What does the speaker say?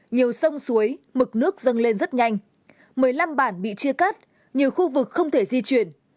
nhiều sông suối mực nước dâng lên rất nhanh một mươi năm bản bị chia cắt nhiều khu vực không thể di chuyển